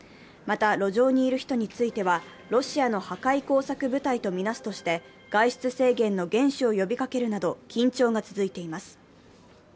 また、路上にいる人については、ロシアの破壊工作部隊とみなすとして外出制限の厳守を呼びかけるなど緊張が続いています。